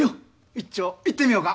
一丁いってみようか？